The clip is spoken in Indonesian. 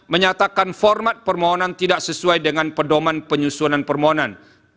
menyatakan format permohonan tidak sesuai dengan pedoman penyusunan permohonan